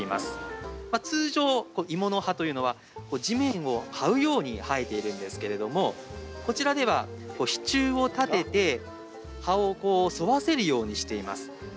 通常、芋の葉というのは地面をはうように生えているんですけれどもこちらでは支柱を立てて葉を沿わせるようにしています。